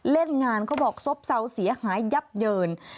เล่นงานเขาบอกซบเศร้าเสียหายยับเยิน